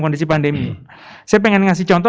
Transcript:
kondisi pandemi saya pengen ngasih contoh